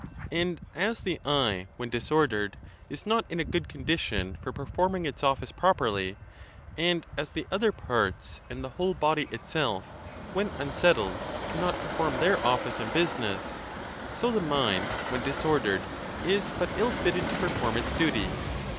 And as the eye, when disordered, is not in a good condition for performing its 5 98 THE TUSCULAN DISPUTATIONS. office properly; and as the other parts, and the whole body itself, when unsettled, cannot perform their office and business; so the mind, when disordered, is but ill fitted to perform its duty.